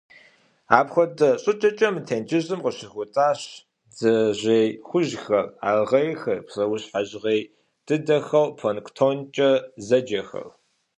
Апхуэдэ щӀыкӀэкӀэ мы тенджызым къыщыхутащ бдзэжьей хужьхэр, аргъейхэр, псэущхьэ жьгъей дыдэхэу «планктонкӀэ» зэджэхэр.